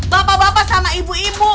bapak bapak sama ibu ibu